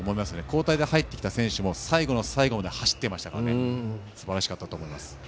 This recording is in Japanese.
交代で入ってきた選手も最後の最後まで走っていましたからすばらしかったと思います。